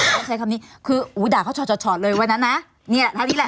ใครทำนี่คืออุ้ยด่าเขาเลยไว้นั่น่ะนี่แหละทั้งนี้แหละ